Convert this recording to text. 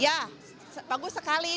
iya bagus sekali